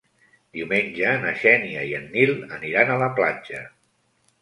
Diumenge na Xènia i en Nil aniran a la platja.